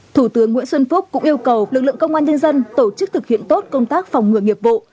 thủ tướng nguyễn xuân phúc cũng yêu cầu lực lượng công an nhân dân tổ chức thực hiện tốt công tác phòng ngừa nghiệp vụ